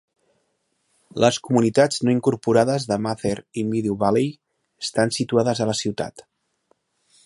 Les comunitats no incorporades de Mather i Meadow Valley estan situades a la ciutat.